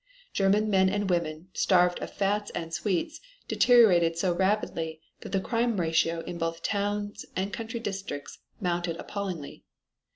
German men and women, starved of fats and sweets, deteriorated so rapidly that the crime ratio both in towns and country districts mounted appallingly.